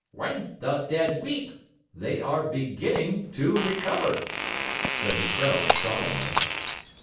"When the dead weep, they are beginning to recover," said the Crow solemnly.